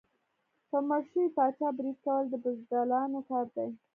په مړ شوي پاچا برید کول د بزدلانو کار دی.